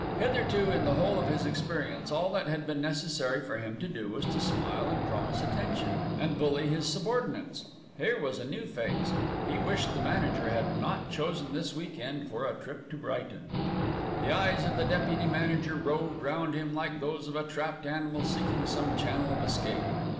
Hitherto in the whole of his experience all that had been necessary for him to do was to smile and promise attention, and bully his subordinates. Here was a new phase. He wished the manager had not chosen this week end for a trip to Brighton. The eyes of the deputy manager roved round him like those of a trapped animal seeking some channel of escape.